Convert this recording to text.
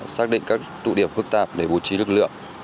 xác định các tụ điểm phức tạp để bố trí lực lượng